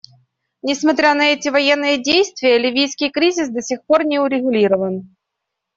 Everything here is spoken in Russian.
Несмотря на эти военные действия, ливийский кризис до сих пор не урегулирован.